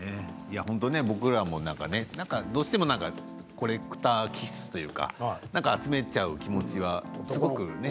僕らもどうしてもコレクター気質というか集めちゃう気持ちはすごくね。